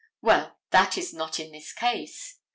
"Well, that is not in this case.